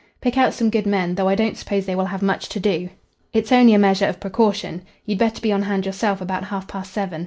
"Pick out some good men, though I don't suppose they will have much to do. It's only a measure of precaution. You'd better be on hand yourself about half past seven.